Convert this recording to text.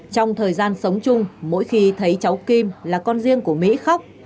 trong thời gian sống chung mỗi khi thấy cháu kim là con riêng của mỹ khóc